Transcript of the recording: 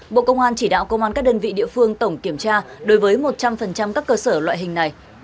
bộ công an chỉ đạo công an các đơn vị địa phương tổng kiểm tra đối với một trăm linh các cơ sở loại hình này